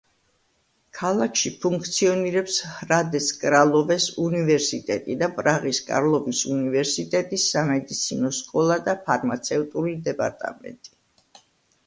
ქალაქში ფუნქციონირებს ჰრადეც-კრალოვეს უნივერსიტეტი და პრაღის კარლოვის უნივერსიტეტის სამედიცინო სკოლა და ფარმაცევტული დეპარტამენტი.